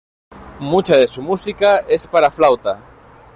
Mucha de su música es para flauta.